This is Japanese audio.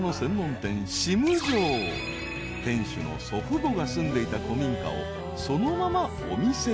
［店主の祖父母が住んでいた古民家をそのままお店に］